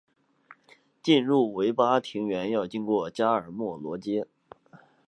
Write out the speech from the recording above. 进入维巴庭园要经过加尔默罗街。